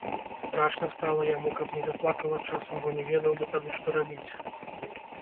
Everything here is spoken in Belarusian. Страшна стала яму, каб не заплакала часам, бо не ведаў бы тады, што рабіць.